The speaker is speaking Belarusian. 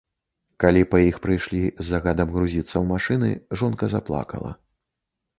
Калі па іх прыйшлі з загадам грузіцца ў машыны, жонка заплакала.